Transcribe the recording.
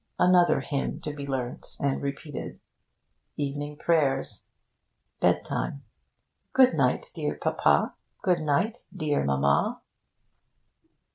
Another hymn to be learnt and repeated. Evening prayers. Bedtime: 'Good night, dear Papa; good night, dear Mamma.'